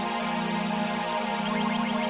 lihatlah kayak yang buoy means